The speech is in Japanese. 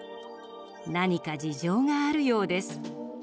何か事情があるようです。